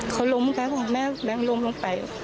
เขาล้มไปว่าแม่แม่งล้มลงไป